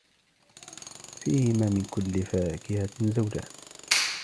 فيهما من كل فاكهة زوجان